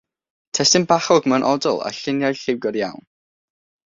Testun bachog mewn odl, a lluniau lliwgar iawn.